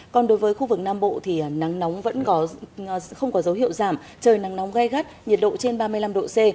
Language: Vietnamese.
còn đối với khu vực nam bộ thì nắng nóng vẫn không có dấu hiệu giảm trời nắng nóng gai gắt nhiệt độ trên ba mươi năm độ c